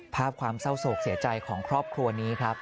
ภาพความเศร้าโศกเสียใจของครอบครัวนี้ครับ